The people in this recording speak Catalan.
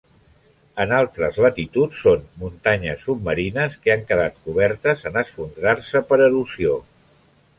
En altres latituds, són muntanyes submarines que han quedat cobertes en esfondrar-se per erosió.